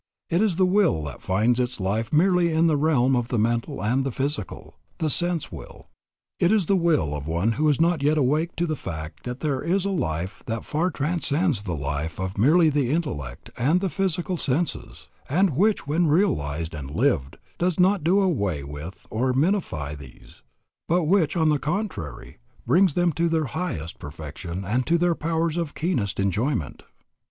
It is the will that finds its life merely in the realm of the mental and the physical, the sense will. It is the will of the one who is not yet awake to the fact that there is a life that far transcends the life of merely the intellect and the physical senses, and which when realized and lived, does not do away with or minify these, but which, on the contrary, brings them to their highest perfection and to their powers of keenest enjoyment.